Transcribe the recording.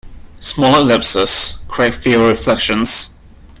Smaller ellipses create fewer reflections.